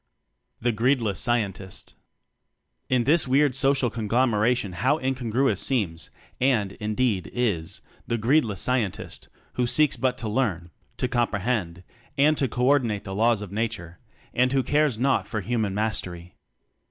The Greedless Scientist. In this weird social (?) conglomera tion how incongruous seems and, in deed, is the greedless scientist, who seeks but to learn, to comprehend, and to co ordinate the laws of nature; and who cares naught for human mastery.